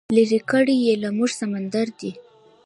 لرې کړی یې له موږه سمندر دی